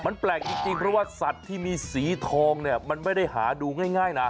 มันแปลกจริงเพราะว่าสัตว์ที่มีสีทองเนี่ยมันไม่ได้หาดูง่ายนะ